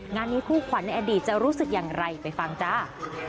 งานนี้คู่ขวัญในอดีตจะรู้สึกอย่างไรไปฟังจ้า